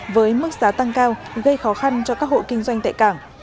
với mức giá tăng cao gây khó khăn cho các hộ kinh doanh tại cảng